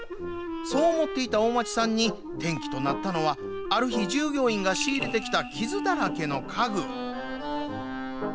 そう思っていた大町さんに転機となったのはある日従業員が仕入れてきた傷だらけの家具。